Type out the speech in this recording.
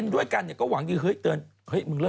จากกระแสของละครกรุเปสันนิวาสนะฮะ